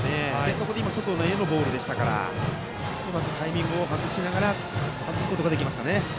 そこで外へのボールだったのでうまくタイミングを外すことができましたね。